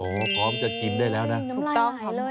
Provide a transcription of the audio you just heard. โอ้โหพร้อมจะกินได้แล้วนะ